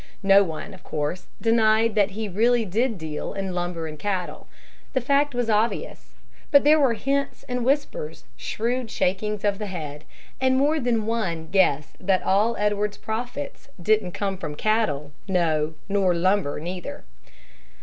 No one, of course, denied that he really did deal in lumber and cattle; the fact was obvious. But there were hints and whispers, shrewd shakings of the head, and more than one "guessed" that all Edwards's profits "didn't come from cattle, no, nor lumber, neither."